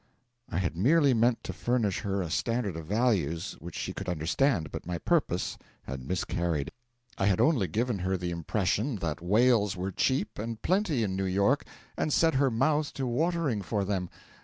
I had merely meant to furnish her a standard of values which she could understand; but my purpose had miscarried. I had only given her the impression that whales were cheap and plenty in New York, and set her mouth to watering for them.